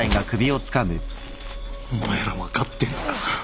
お前ら分かってんのか？